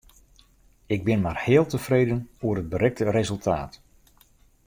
Ik bin mar heal tefreden oer it berikte resultaat.